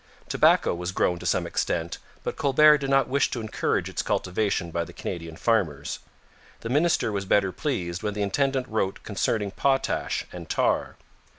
Tobacco was grown to some extent, but Colbert did not wish to encourage its cultivation by the Canadian farmers. The minister was better pleased when the intendant wrote concerning potash and tar.